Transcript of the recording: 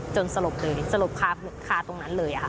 สลบเลยสลบคาตรงนั้นเลยค่ะ